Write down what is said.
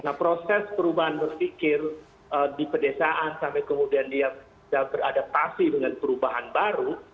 nah proses perubahan berpikir di pedesaan sampai kemudian dia beradaptasi dengan perubahan baru